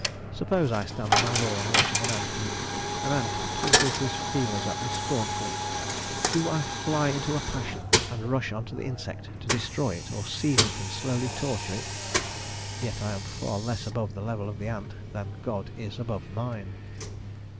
Suppose I stand on a lawn watching an ant heap, an ant twinkles his feelers at me scornfully; do I fly into a passion and rush on the insect to destroy it, or seize it and slowly torture it? Yet I am far less above the level of the ant than God is above mine.